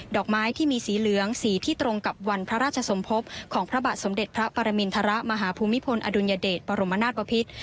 อกไม้ที่มีสีเหลืองสีที่ตรงกับวันพระราชสมภพของพระบาทสมเด็จพระปรมินทรมาหาภูมิพลอดุลยเดชบรมนาศปภิษ